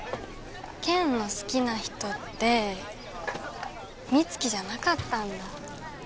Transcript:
健の好きな人って美月じゃなかったんだ